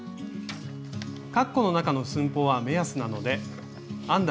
カッコの中の寸法は目安なので編んだ